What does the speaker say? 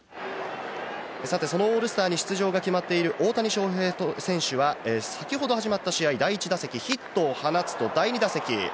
さてオールスターに出場が決まっている大谷翔平選手は、先ほど始まった試合、第１打席ヒットを放つと第２打席。